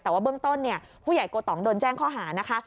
แต่ว่าเบื้องต้นเนี่ยผู้ใหญ่โกตองโดนแจ้งข้อหานะคะ